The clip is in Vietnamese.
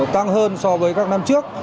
tăng hơn so với các năm trước